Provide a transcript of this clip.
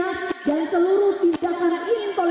bapak semua tujuannya juga tidak dis predict anime ini begitu produit